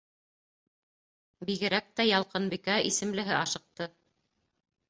Бигерәк тә Ялҡынбикә исемлеһе ашыҡты.